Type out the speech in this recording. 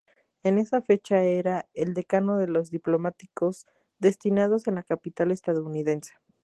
En esa fecha era el decano de los diplomáticos destinados en la capital estadounidense.